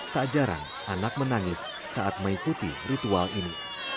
tak jarang anak menangis saat mengikuti ritual ini